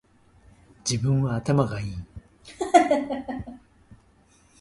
自分は頭がいい